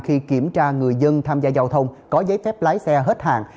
khi kiểm tra người dân tham gia giao thông có giấy phép lái xe hết hạn